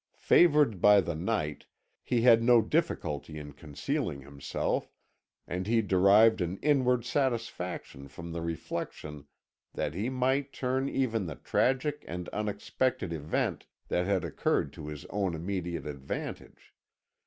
Favoured by the night, he had no difficulty in concealing himself, and he derived an inward satisfaction from the reflection that he might turn even the tragic and unexpected event that had occurred to his own immediate advantage.